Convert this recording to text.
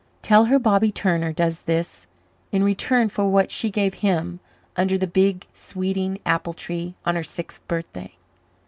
Tell her Bobby Turner does this in return for what she gave him under the big sweeting apple tree on her sixth birthday.